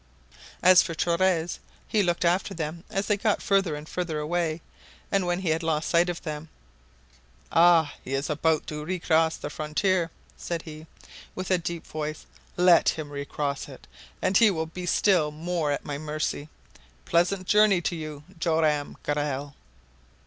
As for Torres he looked after them as they got further and further away, and when he had lost sight of them "Ah! he is about to recross the frontier!" said he, with a deep voice. "Let him recross it! and he will be still more at my mercy! Pleasant journey to you, Joam Garral!"